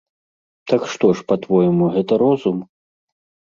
Так што ж па-твойму, гэта розум?